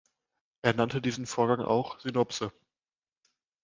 Er nannte diesen Vorgang auch "Synopse".